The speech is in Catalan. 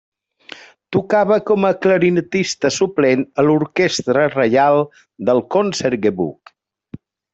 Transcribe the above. Tocava com a clarinetista suplent a l'Orquestra Reial del Concertgebouw.